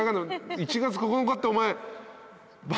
１月９日ってお前。